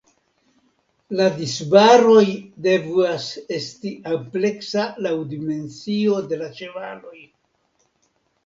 La disbaroj devas esti ampleksa laŭ dimensio de la ĉevaloj.